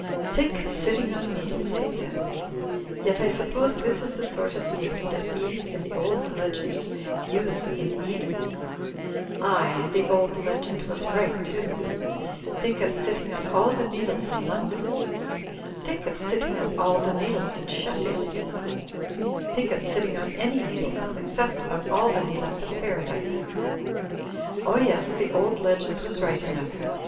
"Think of sitting on needles!'* he said. "Yet, I suppose this is the sort of needle that Eve, in the old legend, used in Eden. Aye, and the old legend was ^^ Digitized by VjOOQ IC THE SEVEN MOODS OF DORIAN 195 right, too ! Think of sitting on all the needles in Lon don ! Think of sitting on all the needles in Sheffield ! Think of sitting on any needles, except on all the needles of Paradise ! Oh, yes, the old legend was right enough.